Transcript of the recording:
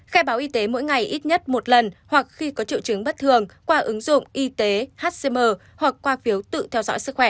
khai báo y tế mỗi ngày ít nhất một lần hoặc khi có triệu chứng bất thường qua ứng dụng y tế hcm hoặc qua phiếu tự theo dõi sức khỏe